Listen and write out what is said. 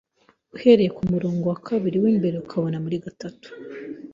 Uhereye kumurongo wa kabiri w'imbere ukabona muri gatatu